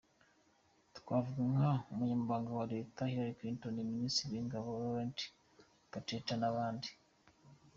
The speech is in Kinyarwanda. Twavuga nka umunyamabanga wa Leta Hillary Clinton, ministre w’ingabo Leon Panetta n’abandi.